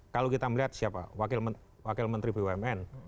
kalau kita melihat siapa wakil menteri bumn